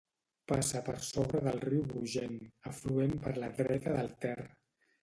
Passa per sobre del riu Brugent, afluent per la dreta del Ter.